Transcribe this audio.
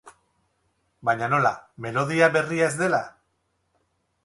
Baina nola, melodia berria ez dela?